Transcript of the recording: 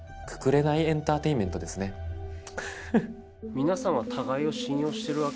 皆さんは互いを信用してるわけ？